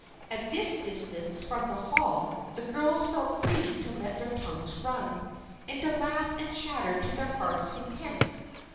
At this distance from the Hall the girls felt free to let their tongues run, and to laugh and chatter to their hearts' content.